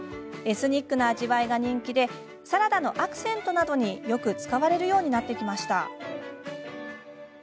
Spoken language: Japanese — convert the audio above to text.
エスニックな味わいが人気でサラダのアクセントなどに、よく使われるようになってきました。